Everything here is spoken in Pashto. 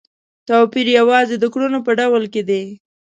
توپیر یوازې د کړنو په ډول کې دی.